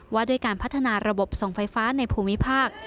ว่าด้วยการพัฒนาระบบส่งไฟฟ้าในภูมิภาค